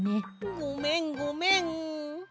ごめんごめん！